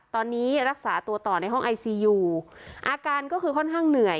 ตอนนี้รักษาตัวต่อในห้องไอซียูอาการก็คือค่อนข้างเหนื่อย